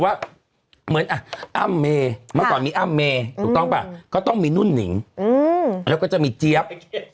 เมื่อก่อนมีอ้ำเมถูกต้องป่ะก็ต้องมีนุ่นนิ๋งแล้วก็จะมีเจี๊ยบ